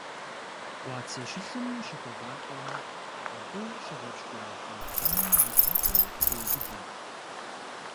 Къуацэ щылъым щыхэбакъуэм, абы щыгъэпщкӀуа къапхъэным и лъакъуэр деубыдэ.